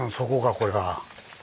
これが。